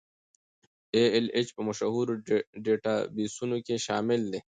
ای ایل ایچ په مشهورو ډیټابیسونو کې شامل دی.